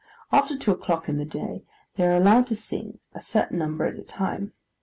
After two o'clock in the day, they are allowed to sing, a certain number at a time.